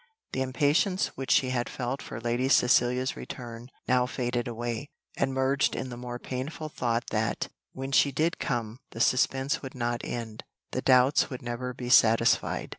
The impatience which she had felt for Lady Cecilia's return now faded away, and merged in the more painful thought that, when she did come, the suspense would not end the doubts would never be satisfied.